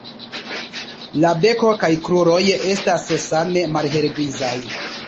La beko kaj kruroj estas same malhelgrizaj.